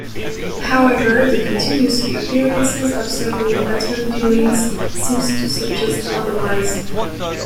However, the continuous appearances of several Batman villains seems to suggest otherwise.